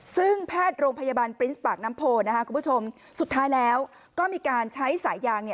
ซึ่งแพทย์โรงพยาบาลปรินส์ปากน้ำโพนะคะคุณผู้ชมสุดท้ายแล้วก็มีการใช้สายยาง